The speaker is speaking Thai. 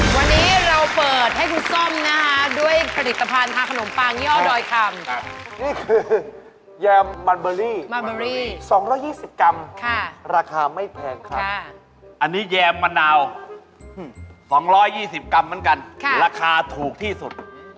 วันนี้เราเปิดให้คุณซ่อมนะฮะด้วยผลิตภัณฑ์ทาขนมปังย่อดอยคัมค่ะนี่คือแยมบัลเบอรี่๒๒๐กรัมค่ะราคาไม่แพงค่ะอันนี้แยมมะนาว๒๒๐กรัมเหมือนกันค่ะราคาถูกที่สุด